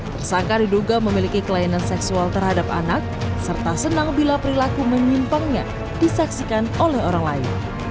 tersangka diduga memiliki kelainan seksual terhadap anak serta senang bila perilaku menyimpangnya disaksikan oleh orang lain